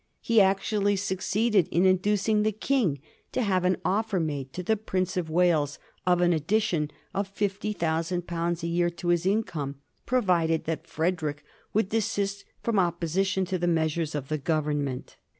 He actually succeeded in in ducing the King to have an offer made to the Prince of Wales of an addition of fifty thousand pounds a year to his income, provided that Frederick would desist from op position to the measures of the Government.